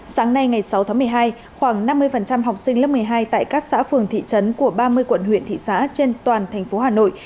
sáng nay ngày sáu tháng một mươi hai khoảng năm mươi học sinh lớp một mươi hai tại các xã phường thị trấn của ba mươi quận huyện thị xã trên toàn thành phố hà nội